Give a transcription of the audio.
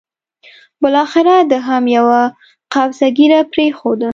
بالاخره ده هم یوه قبضه ږیره پرېښوده.